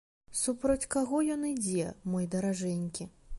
Супроць каго ён ідзе, мой даражэнькі?